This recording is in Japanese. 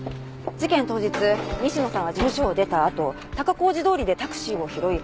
事件当日西野さんは事務所を出たあと高小路通りでタクシーを拾い